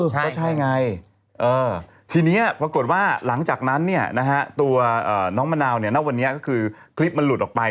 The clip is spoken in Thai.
ก็ใช่ไงทีนี้ปรากฏว่าหลังจากนั้นตัวน้องมะนาวณวันนี้ก็คือคลิปมันหลุดออกไป